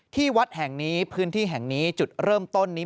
ที่วัดแห่งนี้พื้นที่แห่งนี้จุดเริ่มต้นนี้